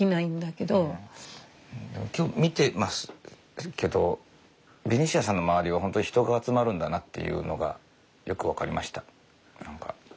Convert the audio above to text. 今日見てますけどベニシアさんの周りは本当に人が集まるんだなっていうのがよく分かりました何か。